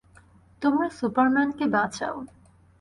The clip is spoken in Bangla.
তোমরা সুপারম্যানকে বাঁচাও।